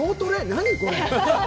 何これ？